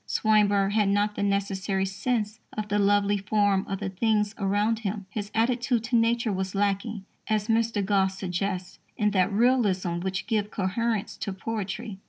Swinburne had not the necessary sense of the lovely form of the things around him. His attitude to Nature was lacking, as Mr. Gosse suggests, in that realism which gives coherence to poetry.